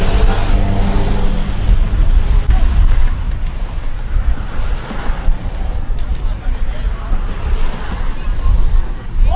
วันนี้เราจะมาจอดรถที่แรงละเห็นเป็น